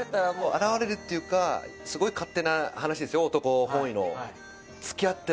現れるっていうかすごい勝手な話ですよ男本位の。